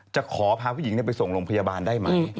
จะขอพาผู้หญิงไปส่งโรงพยาบาลได้ไหม